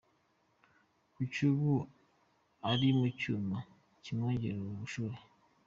Kuri ubu ari mu cyuma kimwongerera ubushyuhe.